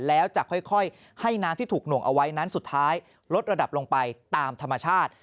แล้วจะค่อยให้น้ำที่ถูกหน่วงเอาไว้นั้นสุดท้ายลดระดับลงไปตามธรรมชาติ